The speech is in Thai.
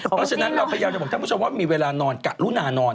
เพราะฉะนั้นเราพยายามจะบอกท่านผู้ชมว่ามีเวลานอนกะลุนานอน